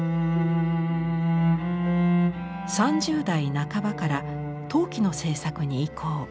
３０代半ばから陶器の制作に移行。